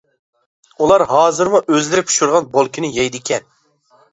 ئۇلار ھازىرمۇ ئۆزلىرى پىشۇرغان بولكىنى يەيدىكەن.